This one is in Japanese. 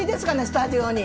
スタジオに。